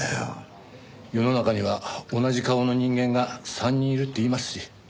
世の中には同じ顔の人間が３人いるっていいますし。